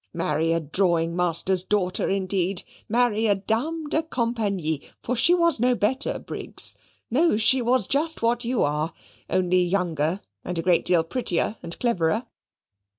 Marry a drawing master's daughter, indeed! marry a dame de compagnie for she was no better, Briggs; no, she was just what you are only younger, and a great deal prettier and cleverer.